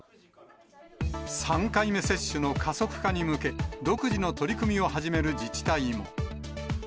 ３回目接種の加速化に向け、独自の取り組みを始める自治体も。